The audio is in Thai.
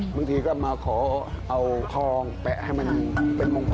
บางทีก็มาขอเอาทองแปะให้มันเป็นมงคล